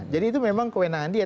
jadi itu memang kewenangan dia